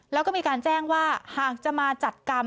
แล้วก็มีการแจ้งว่าหากจะมาจัดกรรม